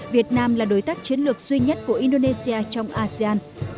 việt nam là đối tác chiến lược duy nhất của indonesia trong asean